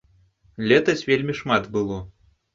Летась вельмі шмат было.